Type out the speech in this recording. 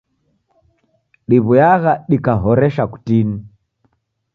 Diw'uyagha dikahoresha kutini.